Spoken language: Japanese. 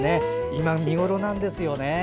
今が見頃なんですよね。